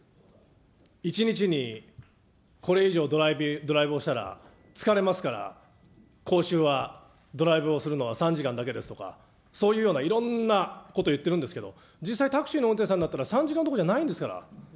１日にこれ以上ドライブをしたら疲れますから、講習はドライブをするのは３時間だけですとか、そういうようないろんなこと言ってるんですけど、実際、タクシーの運転手さんになったら３時間どころじゃないんですから。